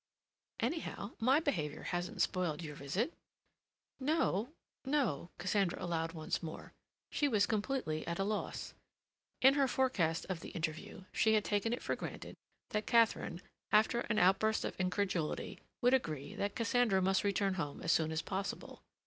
"Anyhow, my behavior hasn't spoiled your visit." "No," Cassandra allowed once more. She was completely at a loss. In her forecast of the interview she had taken it for granted that Katharine, after an outburst of incredulity, would agree that Cassandra must return home as soon as possible.